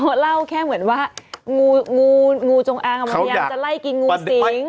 เขาเล่าแค่เหมือนว่างูจงอางมันยังจะไล่กินงูสิงแล้วมันก็หมีไปที่รถ